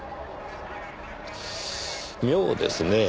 妙ですねぇ。